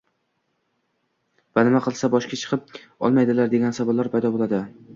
va nima qilsa boshga chiqib olmaydilar?”, degan savollar paydo bo‘ladi.